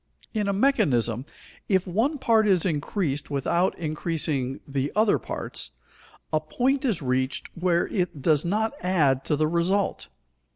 In a mechanism, if one part is increased without increasing the other parts, a point is reached where it does not add to the result.